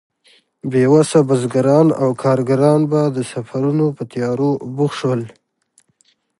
بې وسه بزګران او کارګران به د سفرونو په تيارو بوخت شول.